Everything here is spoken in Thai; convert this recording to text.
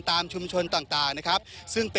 ตามชุมชนต่าง